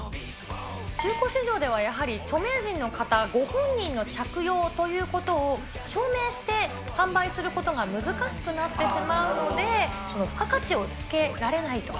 中古市場では、やはり著名人の方、ご本人の着用ということを証明して販売することが難しくなってしまうので、付加価値をつけられないと。